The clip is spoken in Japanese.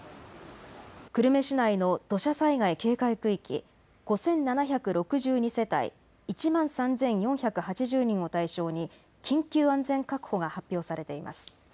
久留米市内の土砂災害警戒区域、５７６２世帯１万３４８０人を対象に緊急安全確保が発表されています。